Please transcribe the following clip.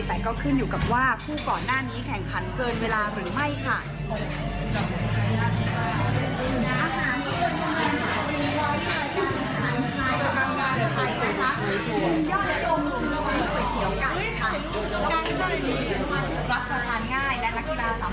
แต่ก็ขึ้นอยู่กับว่าคู่ก่อนหน้านี้แข่งขันเกินเวลาหรือไม่ค่ะ